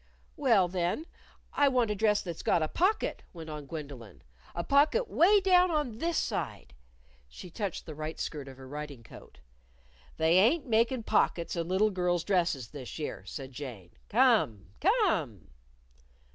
"Well, then, I want a dress that's got a pocket," went on Gwendolyn, " a pocket 'way down on this side." She touched the right skirt of her riding coat. "They ain't makin' pockets in little girls' dresses this year," said Jane, "Come! Come!"